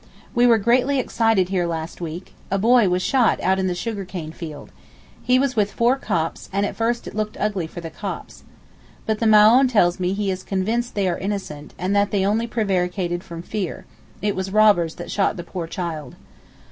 We were greatly excited here last week; a boy was shot out in the sugar cane field: he was with four Copts, and at first it looked ugly for the Copts. But the Maōhn tells me he is convinced they are innocent, and that they only prevaricated from fear—it was robbers shot the poor child.